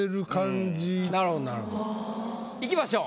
いきましょう。